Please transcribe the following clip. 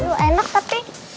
udah enak tapi